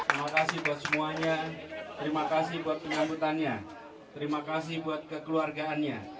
terima kasih buat semuanya terima kasih buat penyambutannya terima kasih buat kekeluargaannya